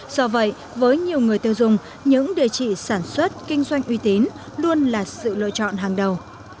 do vậy với nhiều người tiêu dùng những địa chỉ sản xuất kinh doanh uy tín luôn là sự lựa chọn hàng đầu